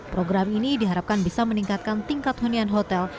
program ini diharapkan bisa meningkatkan tingkat hunian hotel